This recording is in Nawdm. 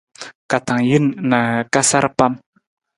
Ka tang jin na ka sar pam.